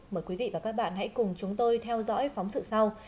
mời quý vị và các bạn hãy cùng chúng tôi theo dõi phóng sự sau